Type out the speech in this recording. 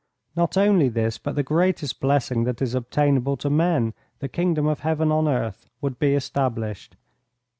Not only this, but the greatest blessing that is obtainable to men, the Kingdom of Heaven on Earth would be established.